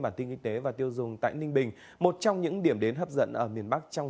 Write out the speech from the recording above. bản tin kinh tế và tiêu dùng tại ninh bình một trong những điểm đến hấp dẫn ở miền bắc trong